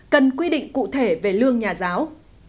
cần quy định cụ thể về lương nhà giáo